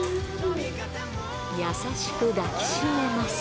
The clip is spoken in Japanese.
優しく抱き締めます。